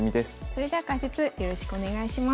それでは解説よろしくお願いします。